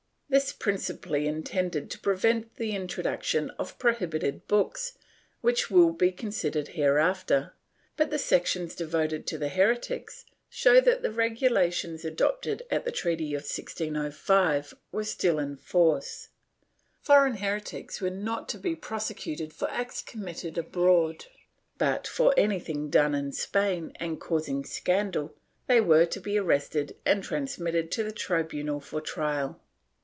This was principally intended to prevent the introduction of prohibited books, which will be considered hereafter, but the sections devoted to heretics show that the regulations adopted at the treaty of 1605 were still in force. Foreign heretics were not to be prosecuted for acts committed abroad but, for anything done in Spain and causing scandal, they were to be arrested and transmitted to the tribunal for trial.